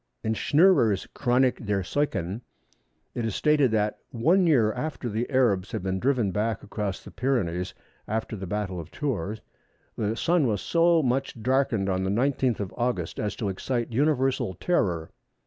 In Schnurrer's Chronik der Seuchen (pt. i., § 113, p. 164), it is stated that, "One year after the Arabs had been driven back across the Pyrenees after the battle of Tours, the Sun was so much darkened on the 19th of August as to excite universal terror."